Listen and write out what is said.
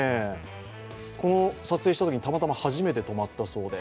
この撮影したときたまたま初めて止まったそうで。